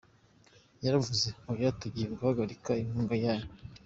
Yaravuze, oya, tugiye guhagarika inkunga yanyu.